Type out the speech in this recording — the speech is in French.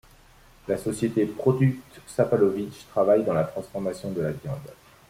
La société Produkt Šopalović travaille dans la transformation de la viande.